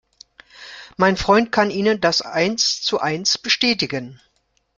Mein Freund kann Ihnen das eins zu eins bestätigen.